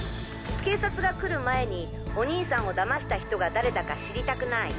警察が来る前にお兄さんを騙した人が誰だか知りたくない？